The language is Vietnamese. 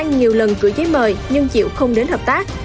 công an nhiều lần cử giấy mời nhưng diệu không đến hợp tác